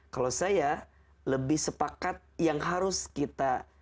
kalau saya lebih sepakat yang harus kita